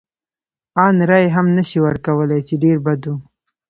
ان رایه هم نه شي ورکولای، چې ډېر بد و.